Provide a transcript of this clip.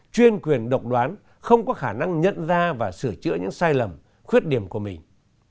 chuyên quyền độc đoán không có khả năng nhận ra và sửa chữa những sai lầm khuyết điểm của mình